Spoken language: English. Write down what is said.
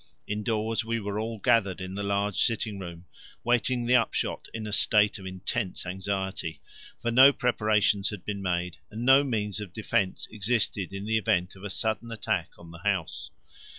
Indoors we were all gathered in the large sitting room, waiting the upshot in a state of intense anxiety, for no preparations had been made and no means of defence existed in the event of a sudden attack on the house.